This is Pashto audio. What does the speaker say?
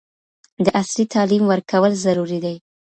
د عصري تعلیم ورکول ضروري دی.